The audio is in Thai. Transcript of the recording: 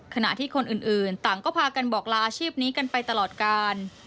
ขณะที่คนอื่นต่างก็พากันบอกลาอาชีพนี้กันไปตลอดการ